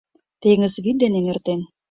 Теҥыз вӱд дене нӧртен.